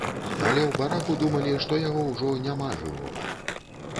Але ў бараку думалі, што яго ўжо няма жывога.